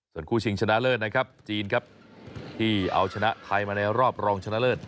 ส่วนคู่ชิงชนะเลิศนะครับจีนครับที่เอาชนะไทยมาในรอบรองชนะเลิศ